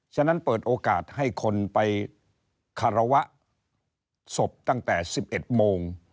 ฉะนั้นเปิดโอกาสให้คนไปคารวะศพตั้งแต่๑๑โมง